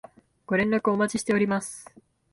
ご連絡お待ちしております